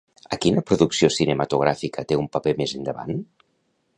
A quina producció cinematogràfica té un paper més endavant?